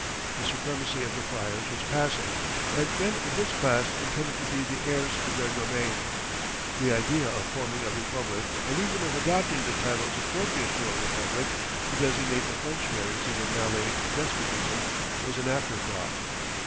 The supremacy of the friars was passing, and men of this class intended to be the heirs to their domain. The idea of forming a republic and even of adopting the titles appropriate to a republic to designate the functionaries of a Malay despotism was an afterthought.